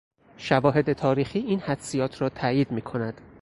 شواهد تاریخی این حدسیات را تایید میکند.